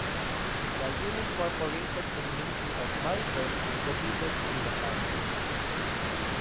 The unincorporated community of Malvern is located in the town.